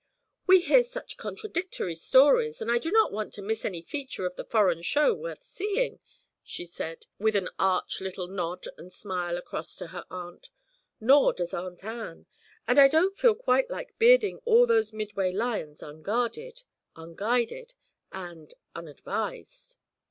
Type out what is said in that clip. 'We hear such very contradictory stories, and I do not want to miss any feature of the foreign show worth seeing,' she said, with an arch little nod and smile across to her aunt, 'nor does Aunt Ann; and I don't quite feel like bearding all those Midway lions unguarded, unguided, and unadvised.'